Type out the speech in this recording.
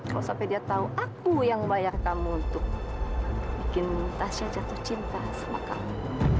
kalau sampai dia tahu aku yang bayar kamu untuk bikin tasya jatuh cinta sama kamu